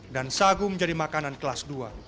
dan sagu menjadi makanan kelas dua